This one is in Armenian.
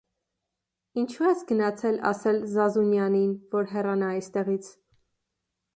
Ինչո՞ւ ես գնացել ասել Զազունյանին, որ հեռանա այստեղից…